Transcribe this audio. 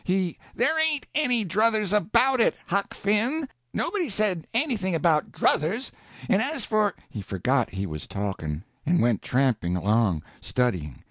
He—" "There ain't any druthers about it, Huck Finn; nobody said anything about druthers. And as for—" He forgot he was talking, and went tramping along, studying.